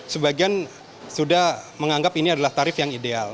sebagian sudah menganggap ini adalah tarif yang ideal